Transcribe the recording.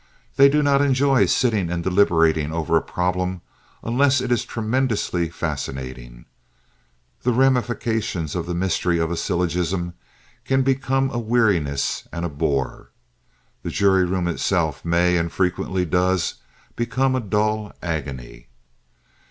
They do not enjoy sitting and deliberating over a problem unless it is tremendously fascinating. The ramifications or the mystery of a syllogism can become a weariness and a bore. The jury room itself may and frequently does become a dull agony.